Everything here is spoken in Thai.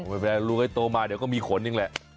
ไม่เป็นไรลูกให้โตมาเดี๋ยวก็มีขนดินแหละ